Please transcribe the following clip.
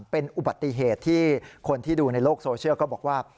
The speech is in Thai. เป็นอุบัติเหตุที่คนที่ดูในโลกโซเชียลก็บอกว่า